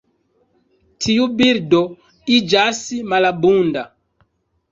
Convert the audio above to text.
Tiu birdo iĝas malabunda.